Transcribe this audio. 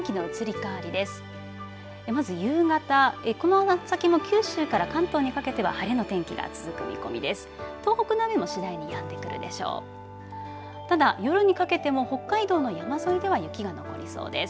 では天気の移り変わりです。